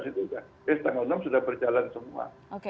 jadi tanggal enam sudah berjalan semua